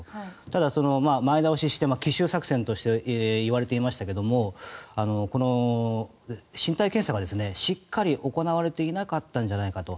ただ、前倒しして奇襲作戦としていわれていましたがこの身体検査がしっかり行われていなかったんじゃないかと。